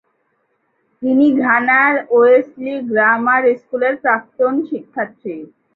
তিনি ঘানার Wesley grammar স্কুলের প্রাক্তন শিক্ষার্থী।